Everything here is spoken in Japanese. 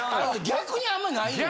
逆にあんまないねん。